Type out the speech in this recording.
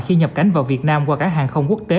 khi nhập cảnh vào việt nam qua cảng hàng không quốc tế